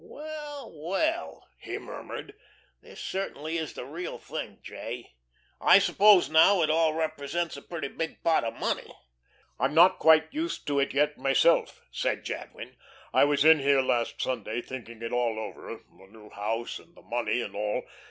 "Well, well," he murmured. "This certainly is the real thing, J. I suppose, now, it all represents a pretty big pot of money." "I'm not quite used to it yet myself," said Jadwin. "I was in here last Sunday, thinking it all over, the new house, and the money and all.